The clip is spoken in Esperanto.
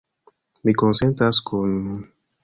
Mi konsentas kun...